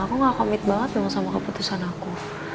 aku nggak komit banget dong sama keputusan aku